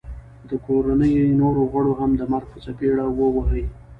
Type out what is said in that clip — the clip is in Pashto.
د کوړنۍ نورو غړو هم د مرګ په څپېړه وه وهي